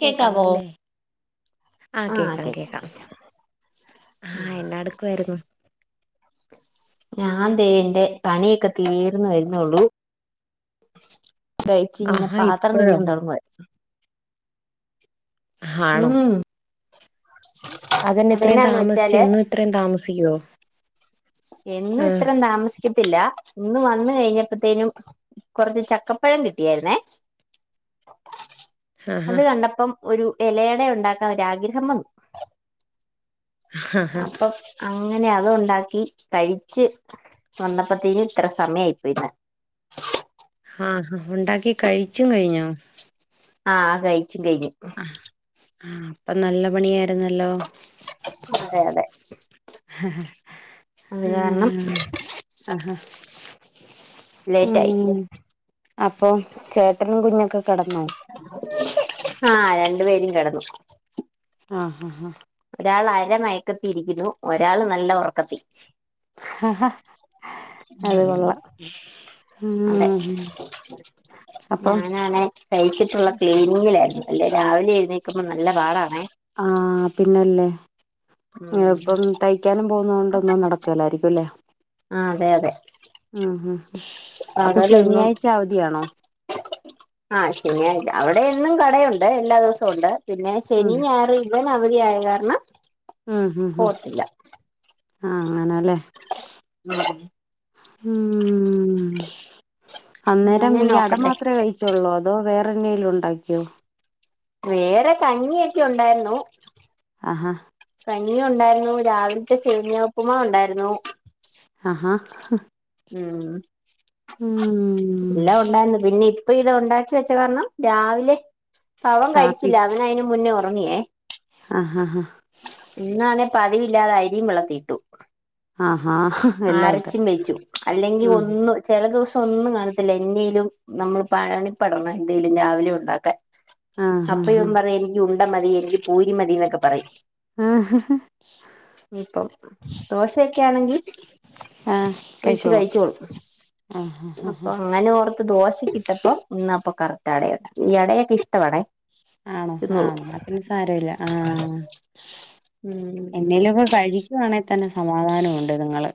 [inaudible] കേക്കാലോ കേക്കാവോ ല്ലേ? ആഹ് കേക്കാം കേക്കാം ആഹ് എന്നാടുക്കുവായിരുന്നു? ഞാൻ ദേന്റെ പണിയൊക്കെ തീർന്ന് വരുന്നുള്ളു കഴിച്ച് ഇങ്ങനെ ആഹാ പാത്രം ഇപ്പോഴോ കഴുകാൻ തുടങ്ങുവാ ഉം അതെന്നാ ഇത്രയും അതെന്നാന്ന് താമസിച്ച വെച്ചാല് എന്നും ഇത്രയും താമസ് യ്യോ എന്നും ഇത്രയും താമസിക്കത്തില്ല ഇന്ന് വന്ന് കഴിഞ്ഞപ്പോത്തേനും കൊറച്ച് ചക്കപ്പഴം കിട്ടിയായിരുന്നേ ആഹാ അത് കണ്ടപ്പം ഒരു ഇലയട ഉണ്ടാക്കാൻ ഒരാഗ്രഹം വന്നു ആഹാ അപ്പൊ അങ്ങനെ അത് ഉണ്ടാക് ഉ [unintelligible] കഴിച്ച് വന്നപ്പത്തേനും ഇത്ര സമയാ യി പോയിന്ന് ഹാ ഹ ഉണ്ടാക്കി കഴിച്ചും കഴിഞ്ഞോ ആ കയി ച്ചും കഴിഞ്ഞു ആ അപ്പൊ നല്ല പണിയായിരുന്നല്ലോ അതെ അതെ ഹ ഹാ അത് കാരണം ഉം ആഹാ ലേറ്റായി ഉം അപ്പൊ ചേട്ടനും കുഞ്ഞൊക്കെ കിടന്നോ ആഹ് രണ്ടു പേരും കിടന്നു ആഹ് ആഹ് ഹാ ഒരാൾ അരമയ് ഒക്കത്തി ഇരിക്കുന്നു ഒരാള് നല്ല ഉറക്കത്തി ഹ ഹഅത് കൊൊള്ളാം അതെ അപ്പം ഞാനാണെ തയ്ച്ചിട്ടുള്ള ക്ലീനിങ്ങിലായിരുന്നു അല്ലേ രാവിലെ എഴുന്നേ ആഹ് പിന്നല്ലേ ഏ ഉം ഇപ്പം തയ്ക്കാനും പോകുന്ന കൊണ്ട് ഒന്നും നടക്കലായിരിക്കുംല്ലേ? ആ അതെ അതെ ഉം ഹ അപ്പൊ പകലൊന്നും ശനിയാഴ്ച അവധിയാണോ അവിടെഎന്നും കടയുണ്ട് എല്ലാ ദിവസവും ഉണ്ട് പിന്നെ ഉം ശനി ഞയറ ഇല്ല [unintelligible] അവധി ആയ കാരണം ആ ഹ ഹ പോത്തില്ല ആ അങ്ങനെല്ലേ ഉം അന്നേരം അങ്ങനെ ഈ അട നോക്കട്ടെ മാത്രമേ കഴിച്ചള്ളൂ അതോ വേറെ പനൽണ്ടാക്കിയോ വേറെ കഞ്ഞിയക്കെ ഉണ്ടായിരുന്നു ആഹാ കഞ്ഞി ഉണ്ടായിരുന്നു രാവിലത്തെ കഴിഞ്ഞ ഉപ്പുമാവ് ഉണ്ടായിരുന്നു ആ ഹാ ഉം എല്ലാം ഉണ്ടായിന്ന് പിന്നെ ഇപ്പൊ ഇത് ഉണ്ടാക്കി വെച്ച കാരണം രാവിലെ- അവൻ കഴിച്ചില്ല അവന് അതിനു മുന്നേ ഒറ- ഒറങ്ങിയേ ആ ഹാ ഹാ പതിവില്ലാതായിരിയും അരിയും വെള്ളത്തിലിട്ടു ആഹ് ആഹ് ആരച്ചും വച്ചു അല്ലെങ്കി ഒന്നും ചെല ദിവസം ഒന്നും കാണത്തില്ല എന്തെലും നമ്മൾ പണിപ്പെടണം എന്തേലും രാവിലെ ഉണ്ടാക്കാൻ ആഹാ അപ്പ ഹാ ഇവൻ പറയും എനിക്കു പൾണ്ട മതി അല്ലങ്കിൽ പൂരിമതി എന്നൊക്കെ പറയും ആഹ് ഇപ്പൊ ദോശയൊക്കെ ആണെങ്കി ഒയിച്ച് കഴിച്ചോളും ആഹ് അപ്പൊ അങ്ങനെ ഓർക്ക്‌ ദോശ ഇട്ടപ്പോ എന്ന അപ്പൊ കറക്റ്റ് അട ഈ അടയൊക്കെ ഇഷ്ടമാണേ ആണോ തിന്നോളും ആ പിന്നെ സാരല്ല ആഹ് ഉം എന്തേലുംഒക്കെ കഴിക്കുവാണെ തന്നെ സമാധാനമുണ്ട് നിങ്ങള്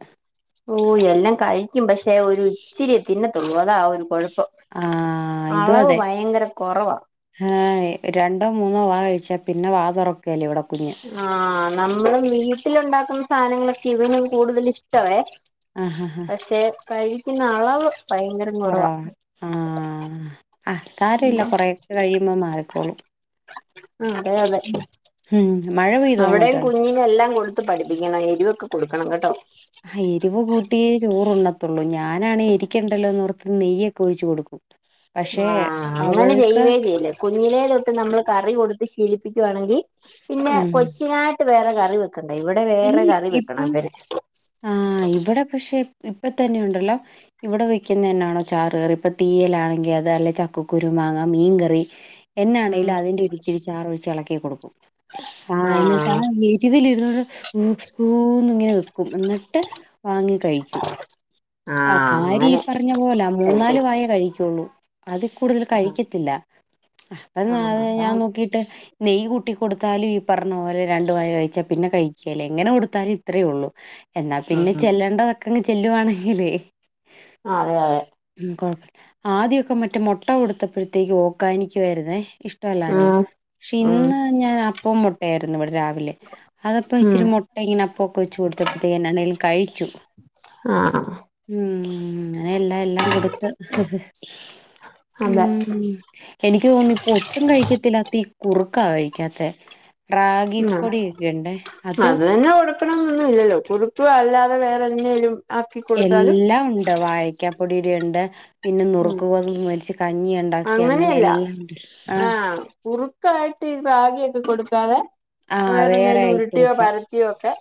ഓ എല്ലാം കയി ക്കും പക്ഷെ ഒരു ഇച്ചിരി തിന്ന അതാ ഒരു കൊഴപ്പം ആ ഇതും അതെ കുറവാ ആ രണ്ടോ മൂന്നോ വാ കഴിച്ച പിന്നെ വാതൊറക്കേല ഇവിടെ കുഞ്ഞ് ആ നമ്മള് വീട്ടില് ഉണ്ടാക്കുന്ന സാധനങ്ങളൊക്കെ ഇവനും കൂടുതൽ ഇഷ്ട്ടവേ ആഹ് ഹ ഹ പക്ഷെ കഴിക്കുന്ന അളവ് ഭയങ്കര കുറവാ കൊറവാണ് ആഹ് ആഹ് സാരമില്ല കൊറേയൊക്കെ കഴിയുമ്പോ മാറിക്കോളും അതെ അതെ ഉം മഴ പെയ്തോ അവിടെയും അങ്ങോട്ട് കുഞ്ഞിനു എല്ലാം കൊടുത്ത് പഠിപ്പിക്കണം എരിവൊക്കെ കൊടുക്കണം കേട്ടോ തോള്ളൂ ഞാനാണേ എരിക്കണ്ടല്ലോ എന്ന് ഓർത്ത് നെയ്യൊക്കെ ഒഴിച്ച് കൊടുക്കും പക്ഷെ ആ അങ്ങനെ അവൾക്ക് ചെയ്യുവേ ചെയ്യല് കുഞ്ഞിലെ തൊട്ട് നമ്മള് കറി കൊടുത്ത് ശീലിപ്പി വാണെങ്കിൽ പിന്നെ ഉം കൊച്ചിനായിട്ട് വേറെ കറി വെക്കണ്ടാരു ഇവിടെ വേറെ കറി വെക്കണം അവന് ആ ഇവിടെ പക്ഷെ ഇപ്പം തന്നെ ഉണ്ടല്ലോ ഇവിടെ വെക്കുന്നെ എന്നാണോ ചാറുകറി ഇപ്പൊ തീയലാണെങ്കിൽ അത് അല്ലെ ചക്കക്കുരു, മാങ്ങ, മീൻകറി ഉം എന്നാണെലും അതിന്റെ ഒര് ഇച്ചിരി ചാറ് ഒഴി ഇളക്കി കൊടുക്കും. ആ എന്നിട്ടാ ആഹ് എരുവില് ഉ ഉ ഉ ഊന്നിങ്ങനെ വെക്കും. എ എന്നിട്ട് വാങ്ങി കഴിക്കും, ആ ആഹ് കാരി ഈ അങ്ങനെ പറഞ്ഞ പോല മൂന്നാല് കഴിക്കണം വായെ കഴിക്കുള്ളൂ. ഉം അതി കൂടുതല് കഴിക്കത്തില്ല ആഹ് ആഹ് അന്നാത് ഞാൻ അതാണ് നോക്കിട്ട് നെയ്യ് കൂട്ടി കൊടുത്താലും ഈ പറഞ്ഞ പോലെ രണ്ടു വായ കഴിച്ചാൽ പിന്നെ കഴിക്കേല്ല എങ്ങനെ കൊടുത്താലും ഇത്രേ ഉള്ളൂ. എന്നാ പിന്നെ ഉം ചെല്ലേണ്ടതൊക്കെ അങ്ങ് ചെല്ലുവാണെങ്കിലേ അതെ അതെ. ആദ്യൊക്കെ മറ്റേ മൊട്ട കൊടുത്തപ്പോഴത്തേക്ക് ഓക്കാനിക്കുവായിരുന്നേ ഇഷ്ടമല്ലായിരുന്നു ഉം പക്ഷെ ഉം ഇന്ന് ഞാൻ അ പ്പോം, മൊട്ടെയായിരുന്നുവിടെ. രാവിലെ അതപ്പോ ഇച്ചിരി ഉം മൊട്ട ഇങ്ങനെ അപ്പൊക്കെ വെച്ചു കൊടുത്ത ത്ത് ഇങ്ങനെ എന്തേലും കഴിച്ചു മ് ആഹ് ഉം ങ്ങനെ. എല്ല എല്ലാം കൊടുത്ത് ഹ് ഹ് അതെ ഉം എനിക്ക് തോന്ന് ഇപ്പൊ ഒട്ടും കഴിക്കത്തില്ലാ തീ കുറുക്കാ കഴിക്കാത്തെ റാഗി ഉം പൊടി ഒക്കെ ഉണ്ടേ അത് ണമെന്നുല്ലല്ലോ കുറുപ്പ് അല്ലാതെ വേറെന്തെലും എല്ലാം ഉണ്ട് വാഴക്കാപ് പൊടിയുടെയുണ്ട്. പിന്നെ ഉം നുറുക്കുഗോതമ്പു മേടിച്ച് കഞ്ഞി എണ്ടാക്കി അങ്ങനെ അങ്ങനെയല്ല എല്ലാംണ്ട് ആഹ് ഈ റാഗിയൊക്കെ കൊടുക്കാതെ ആഹ് വേറെ എന്തെിലും ഉരുട്ടിയോ ഐറ്റംസാ പരത്തിയോ ഒക്കെ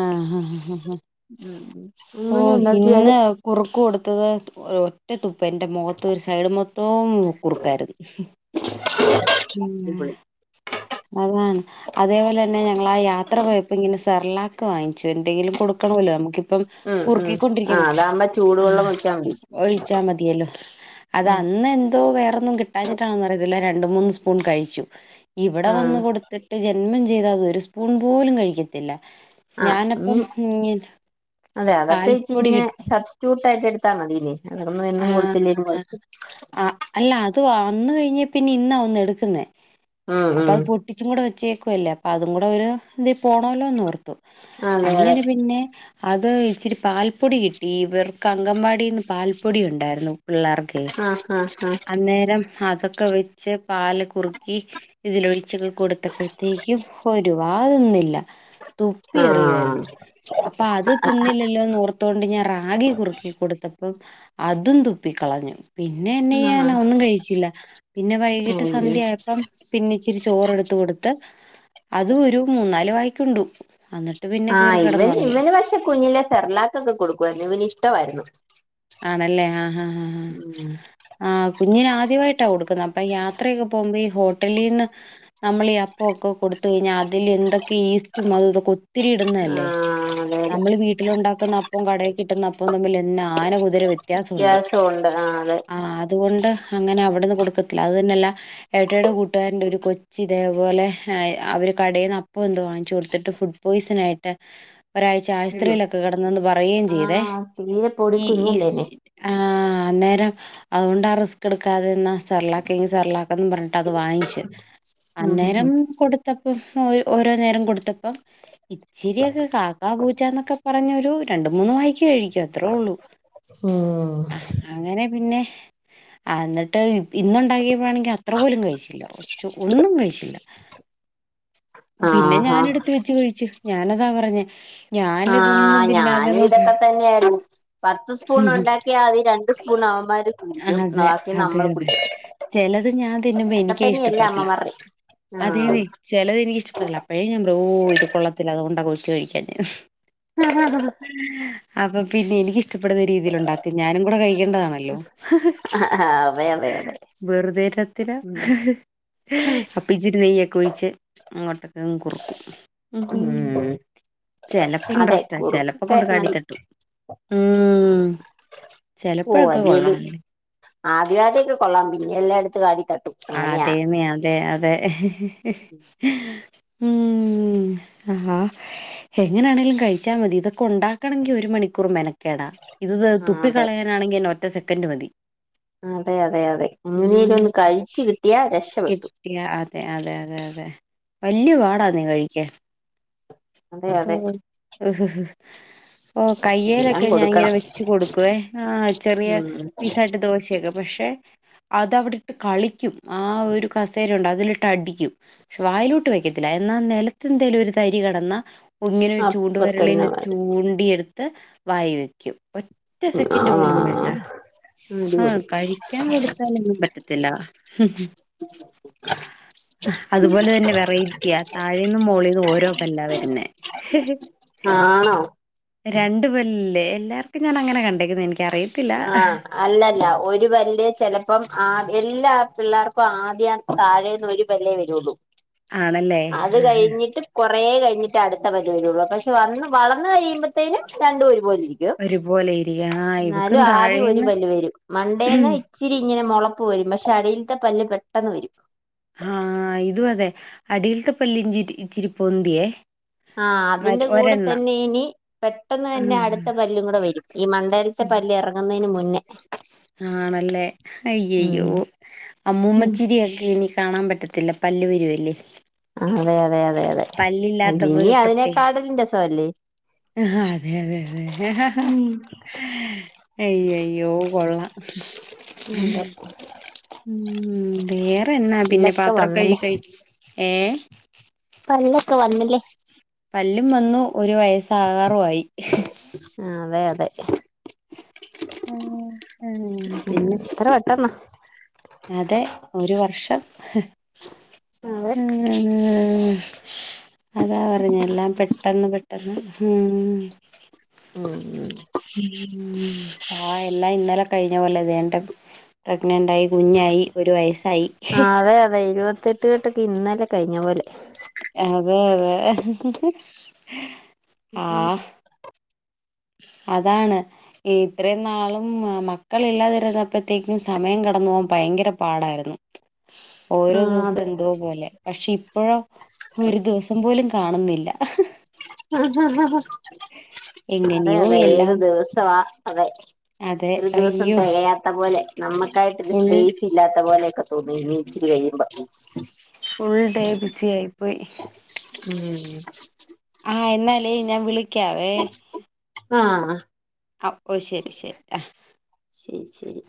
ആഹ് ഹ് ഹ് ആ ഉം ഓ അങ്ങനെ ഉണ്ടാക്കിയാല് ഇന്ന് കുറുക്ക് കൊട് ത്ത ഒറ്റ തുപ് പ്പ എന്റെ മുഖത്ത ഒരു സൈഡ് മൊത്തവും കുറുക്കായിരുന്നു ഹ് മ് അടിപൊളി അതാണ് അതേപോലെ തന്നെ ഞങ്ങളാ ആ യാത്ര പോയപ്പോ ഇങ്ങനെ സ് സെർലാക്ക്‌ പ്പായി. ച്ച് എന്തെങ്കിലും കൊടുക്കണവല്ലോ നമുക്കിപ്പം ഉം ഉം ആഹ് കുറുക്കിക്കൊണ്ടിരിക്കാൻപറ്റില്ല അതാകുമ്പോ ആ ചൂടുവെള്ളം ഒഴിച്ചാ മതി ഒഴിച്ചാ മതിയല്ലോ അത് ഉം അന്ന് എന്തോ വേറൊന്നും കിട്ടാഞ്ഞിട്ടാണോന്ന് അറിയില്ല. രണ്ട് മൂന്ന് സ്പൂൺ കഴിച്ചു. ഇവിടെ ആഹ് വന്ന് കൊടുത്തിട്ട് ചെ ജന്മം ചെയ്താ അത് ഒരു സ്പൂൺ പോലും കഴിക്കത്തില്ല. ആ ഉം അതെ അതൊക്കെ ച് പാൽപ്പൊടി ഇങ്ങനെ കിട്ടി സബ്സ്റ്റ്യൂട്ട് ആയിട്ട് എടുത്താ മതീനേ. ആഹ് ആ അല്ല അത് വേണം. അന്ന് കഴിഞ്ഞാൽ പിന്നെ ഇന്നാ ഒന്ന് എടുക്കുന്നേ ഉം അപ്പൊ അത് ഉം പൊട്ടിച്ചും കൂടെ വെച്ചേക് ക്കുല്ലേ അപ്പൊ അതുംകൂടെ ഒരു ഇതിൽ പോണമല്ലോന്ന് ഓർത്ത് ത്തു. അതെ അതെ അങ്ങനെ പിന്നെ അത് ഇച്ചിരി പാൽപ്പൊടി കിട്ടി. ഇവർക്ക് അങ്കൻവാടിന്ന് പാല് പൊടി ഉണ്ടായിരുന്നു പിള്ളാർക്കേ ആഹ് ആഹ് അന്നേരം അതൊക്കെ വെച്ച് പാല് കുറുക്കി ഇതിലൊഴിച്ച് ക് കൊടുത്തപ്പോഴത്തേക്കും [unintelligible] ഒരുവാതിന്നില്ല. തുപ്പി ആഹ് എറിയാരുന്നു. അപ്പൊ അത് തിന്നില്ലല്ലോന്ന് ഓർത്തൊണ്ട് ഞാൻ റാഗി കുറുക്കി കൊടുത്തപ്പം അതും തുപ്പിക്കളഞ്ഞു ആഹ് പിന്നെന്നെയാനാ ഒന്നും കഴിച്ചില്ല, പിന്നെ വൈകിട്ട് ആഹ് സന്ധ്യായപ്പം പിന്നച്ചിരി ചോറ് എട്ത്ത് കൊട്ത്ത്. അത് ഒരു മൂന്നാല് വായിക്കുണ്ടു അത ആഹ് ഇവൻ ഇവന് പക്ഷെ കുഞ്ഞിലെ സെർലാക്കൊക്കെ കൊട്ക്കാര്ന്നു ഇവന് ട്ടമായിര്ന്നു. ആണല്ലേ ആഹ് അ [unintelligible] ആഹ കുഞ്ഞിന് ആദ്യമായിട്ടാ കൊടുക്കുന്ന അപ്പ യാത്രക്കെ പോകുമ്പോ ഈ ഹോട്ടലീന്ന് നമ്മളീ അപ്പൊക്കെ കൊടുത്ത് കഴിഞ്ഞാൽ അതിലിൽ എന്തെ ഈസ്റ്റും അതും ഇതൊക്കെ ഒത്തിരി ഇടുന്നതല്ലേ ആഹ് അതെ അതെ നമ്മൾ വീട്ടിലണ്ടാക്കുന്നപ്പോം കടേകിട്ടുന്നപ്പോം തമ്മല് ന്ന [unintelligible] ഇതൊരു വ്യത്യാസൊണ്ട്, വ്യത്യാസം ഉണ്ട് ആ അതെ ആഹ് അതുകൊണ്ട് അങ്ങനെ അവിട്ന്ന് കൊട്ക്കത്തില്ല അത് തന്നെല്ല ഏട്ടായീടെ കൂട്ടുകാരന്റൊര് കൊച്ചി തേപോലെ അവര് കടയിൽന്ന് അപ്പം എന്തോ വാങ്ങിച്ചു കൊടുത്തിട്ട് ഫുഡ് പോയ്സൺ ആയിട്ട് ഒരാഴ്ച അയ്യോ ആശൂത്രിലൊക്കെ കെടന് ന് പറയീം ചെയ്തെ ആഹ് തീരെ പൊടി ഈ ഈ സ് കുഞ്ഞല്ലേനെ ആഹ അന്നേരം അത്കൊണ്ട് ആ റിസ്ക് എടുക്കാതെന്ന സെർലാകേങ്കി സെർലാക്കെന്നും പറഞ്ഞിട്ട് അത് വാങ്ങിച്ച് ഉം ഉം അന്നേരം കൊട്ത്ത ഇപ്പം ഓരോ നേരം കൊട്ത്തപ്പം ഇ ചിരിയൊക്കെ കാക്കാ പൂച്ചന്നൊക്കെ പറഞ്ഞൊരു രണ്ട് മൂന്ന് വായിക്ക് കഴിക്കും. അത്രേ ഉള്ളൂ ഉം അങ്ങനെ പിന്നെ അന്ന്ട്ട് ഇന്നുണ്ടാക്കിയപ്പോഴാണെങ്കി അത്ര പോലും കഴിച്ചില്ല ഒ ച്ച് ഒന്നും കഴിച്ചില്ല. പിന്നെ ആഹ് ഞാൻ ആഹ് എട്ത്ത് വെച്ച് കഴിച്ചു. ഞാനതാ പറഞ്ഞേ ഞാനിതൊന്നും ആഹ് തിന്നാതെ ഞാനും നോ ഇതൊക്കെ തന്നെയായി രണ്ട് സ്പൂൺ അവന്മാര് കുടിക്കും അതെ ബാക്കി അതെ നമ്മൾ അതെ കുടിക്കും ചെലത് ഞാൻ തിന്നുമ്പോ അതൊക്കെ എനിക്കത് തന്നെയല്ലേ ഇഷ്ടപ്പെടത്തില്ല അമ്മമാരുടെ അതെ ആഹ് ചിലത് എനിക്കത് ഇഷ്ടപ്പെടത്തില്ല അപ്പഴേ ഞ ഓ ഇത് കൊള്ളത്തില്ല അത് കൊണ്ട കൊച്ച് കഴിക്കാഞ്ഞേന്ന്. അപ്പൊ പിന്നേ എനിക്ക്. ഇഷ്ടപ്പെടുന്ന രീതിൽ ഉണ്ടാക്കും ഞാനും കൂടെ കഴിക്കേണ്ടതാണല്ലോ അതെ അതെ അതെ വെറുതെരത്തില ഉം അപ്പിച്ചിരി നെയ്യെ ഒഴിച്ച് അങ്ങോട്ടൊക്കങ്ങ് കുറുക്കും. ചെലപ്പോ അതെ ഇൻട്രസ്റ്റാ ചെലപ്പോ കുറുക്കൊക്കെ കൊണ്ട് കാടി മതി തട്ടും. ഉം ഓ ചെലപ്പോഴക്കെ അല്ലേലും കൊള്ളാല്ലേ. ആദ്യ ആദ്യൊക്കെ കൊള്ളാം പിന്നെ എല്ലായിടത്ത് കാടി. തട്ടും ആ അങ്ങനെയാ അതേന്നെ അതെ അതെ. ഉം, ആ എങ്ങനാണേലും കഴിച്ചാൽ മതി ഇതൊക്കെ ഉണ്ടാക്കണ്ടെങ്കി ഒരു മണിക്കൂർ. മെനക്കേടാ ഇത് ആ അതെ തുപ്പിക്കളയാനാണെങ്കി എന്ന ത്ത് സെക്കൻഡ് മതി. അതെ, അതെ, അതെ അങ്ങനെല ഉം ഒന്ന് കഴി ച്ച് കിട്ടിയാ രക്ഷപ്പെട്ടു. കിട്ടിയ അതെ, അതെ, അതെ, അതെ വല്യ പാടാണെ കഴിക്കാൻ. അതെ, അതെ. ഓ [unintelligible] ഓ എല്ലാം കയ്യേലൊക്കെ ഞാൻ ഇങ്ങനെ കൊടുക്കണം വെച്ച് കൊടുക്കുവേ, ആ ചെറിയ ഉം പീസായിട്ട് ദോശയൊക്കെ പക്ഷെ അതവിടിട്ട് കളി ആ, ഒരു കസേര ഉണ്ട് അതിലിട്ട് അടിക്കും പക്ഷെ വായിലോട്ട് വെക്കത്തില്ല, എന്നാൽ നിലത്തെ എന്തേലും ഒരു തരി കിടന്നാ ഒങ്ങിനെ ചൂണ്ട്‌ അപ്പൊ തന്നെ വിരലിന്ന് മതി ചൂണ്ടിയെടുത്ത് എടുത്ത് വായി വയ്ക്കും. ഒറ്റ ആ സെക്കൻഡ് പോലും വേണ്ട ആ അടിപൊളി കഴിക്കാൻ കൊടുത്താലൊന്നും പറ്റത്തില്ല. അതുപോലെ തന്നെ വെറൈറ്റിയ താഴേ നിന്നും മോളി ഇത് ഓരോ പല്ല വരുന്നേ ആണോ രണ്ട് പല്ലില്ലേ എല്ലർക്കും ഞാന അങ്ങനെ കണ്ടേങ്ങന്നത്, എനിക്ക് ആ, അല്ലല്ല ഒരു പല്ല് ചെലപ്പം ആ എല്ലാ പിള്ളേർക്കും ആദ്യം താഴേന്ന് ഒരു പല്ലേ വരുള്ളൂ ആണല്ലേ അത് കഴിഞ്ഞിട്ട് കുറ കുറേ കഴിഞ്ഞിട്ട് അടുത്ത പല്ല് വരുള്ളൂ, പക്ഷെ വന്ന് വളന്ന് കഴിയുമ്പത്തേനും രണ്ടും ഒരു പോലിരിക്കും ഒരുപോലെ അ, ഇരിക്കും ഇവക്കും ആദ്യം ഒരു താഴേന്ന് പല്ല്‌ വരും, മണ്ടേന്ന് ഇച്ചിരി ഇങ്ങനെ മുളപ്പു വരും പക്ഷെ അടിൽത്തെ പല്ല് പെട്ടെന്ന് വരും ആ ഇത അതെ അടിൽത്തെ പല്ല് ഇച്ചിരി പൊന്തിയെ ആ, അതിന്റെ കൂടെ തന്നെ ഇനി പെട്ടെന്ന് തന്നെ ഉം അടുത്ത പല്ലും കൂടെ വരും ഈ മണ്ടേലത്തെ പല്ല് ഇറങ്ങുന്നതിന് മുന്നേ. ആണല്ലേ അയ്യയ്യോ ഉം അമ്മൂമ്മച്ചിരിയൊക്കെ ഇനി കാണാൻ പറ്റത്തില്ല പല്ലു വരുവല്ലേ അതെ, അതെ, അതെ, അതെ പല്ലില്ലാത്തപ്പോ ഇനി അതിനേക്കാട്ടിലും രസവല്ലേ ആ അതെ അതെ അതെ അയ്യോ അയ്യോ കൊള്ളാം അന്ത [unintelligible] ഉം വേ പിന്നെ പാത്രം കഴുകി വന്നല്ലേ കഴി ഏ പല്ലൊക്കെ വന്നില്ലേ പല്ലും വന്നു ഒരു വയസാകാറും ആയി ആ അതെ അതെ ഉം ഉം പിന്നെ എത്ര പെട്ടെന്നാ അതെ ഒരു വർഷം അതെ ഉം ഉം അതാ പറഞ്ഞ എല്ലാം പെ പെട്ടെന്ന് പെട്ടെന്ന് ആ ഉം ഉം ഉം ആ എല്ലാം ഇന്നലെ കഴിഞ്ഞ പോലെ തേണ്ടെ പ്രഗ്നന്റ് ആയി കുഞ്ഞായി ഒരു വയസ്സായി തെട്ടുകെട്ടൊക്കെ ഇന്നലെ കഴിഞ്ഞ പോലെ അതെ അതെ ആ അതാണ് ഇത്രയും നാളും മക്കൾ ഇില്ലാതിരുന്നപ്പഴ്ത്തേക്കും സമയം കടന്നു പോവാൻ ഭയങ്കര പാടായിരുന്നു ആ ഓരോ ദിവസം അതെ എന്തോ പോലെ പക്ഷെ ഇപ്പഴോ ഒരു ദിവസം പോലും കാണുന്നില്ല അതെ എങ്ങനെയോ അതെ ഏത് എല്ലാം ദിവസവാ അതെ അതെ ഒരു ദിവസം അയ്യോ തെകയാത്ത പോലെ നമ്മക്കായിട്ടൊരു ഫുൾ സ്പേസ് ഇല്ലാത്ത പോലെയൊക്കെ നീ നീച്ച് കഴിമ്പം ഫുൾ ഡേ ബിസി ആയി പോയി ഉം ആ എന്നാലേ ഞാൻ വിളി ക്കാവേ ആ ആ ഓ ശരി ശരി ആ ശരി ശരി